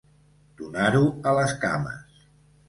Donar-ho a les cames.